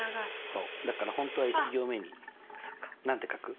そうだから本当は１行目に何て書く？